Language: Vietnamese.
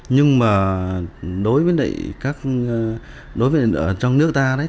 nhưng mà đối với các đối với ở trong nước ta đấy